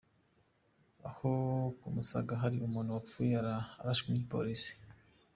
Aho ku Musaga hari umuntu wapfuye arashwe n'igipolisi.